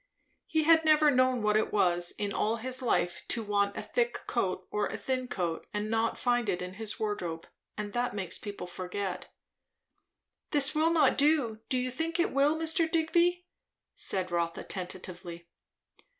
He had never known what it was, in all his life, to want a thick coat or a thin coat and not find it in his wardrobe; and that makes people forget. "This will not do, do you think it will, Mr. Digby?" said Rotha tentatively.